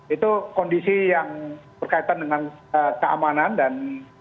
itu kondisi yang berkaitan dengan keamanan dan